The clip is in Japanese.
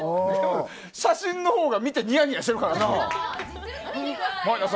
でも、写真のほうが見てにやにやしてるからなあ。